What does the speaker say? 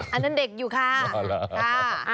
อันนั้นเด็กอยู่ค่ะ